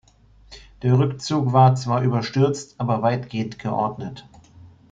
Der Rückzug war zwar überstürzt, aber weitgehend geordnet.